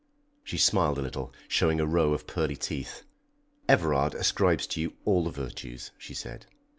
She smiled a little, showing a row of pearly teeth. "Everard ascribes to you all the virtues," she said.